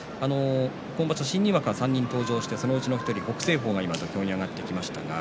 今場所は新入幕が３人登場してそのうちの１人、北青鵬は土俵に上がってきました。